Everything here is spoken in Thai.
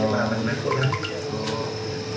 ไม่เคยจำได้พอนะครับ